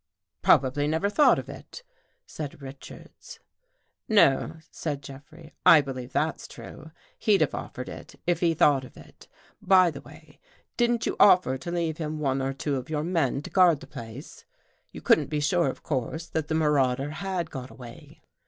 " Probably never thought of it," said Richards. No," said Jeffrey, " I believe that's true. He'd have offered it, if he thought of it. By the way, didn't you offer to leave him one or two of your men to guard the place? You couldn't be sure, of course, that the marauder had got away."